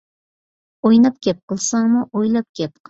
ئويناپ گەپ قىلساڭمۇ ئويلاپ گەپ قىل.